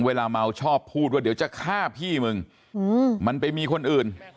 เวลาเมาชอบพูดว่าเดี๋ยวจะฆ่าพี่มึงมันไปมีคนอื่น